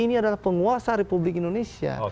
ini adalah penguasa republik indonesia